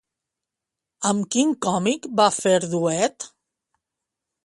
Amb quin còmic va fer duet?